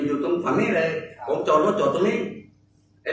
อยู่ตรงข้างนี้จอรถเจาะตรงนี้